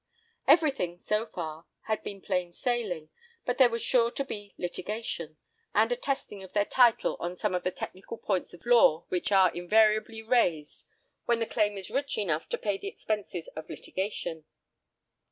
Everything, so far, had been plain sailing, but there was sure to be litigation, and a testing of their title on some of the technical points of law which are invariably raised when the claim is rich enough to pay the expenses of litigation.